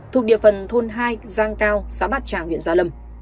thuộc địa phần thôn hai giang cao xã bát tràng huyện gia lâm